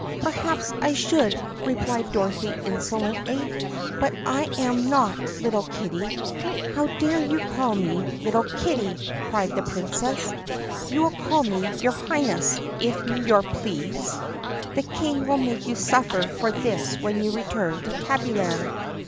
"Perhaps I should," replied Dorothy insolently, "but I am not, little kitty." "How dare you call me 'little kitty' !" cried the Princess. "You will call me 'your Highness,' if your please! The King will make you suffer for this when you return to Tabbyland!"